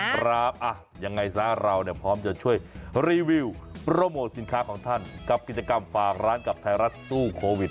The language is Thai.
ครับยังไงซะเราพร้อมจะช่วยรีวิวโปรโมทสินค้าของท่านกับกิจกรรมฝากร้านกับไทยรัฐสู้โควิด